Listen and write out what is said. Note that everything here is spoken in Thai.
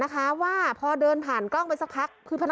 อัศวินธรรมชาติ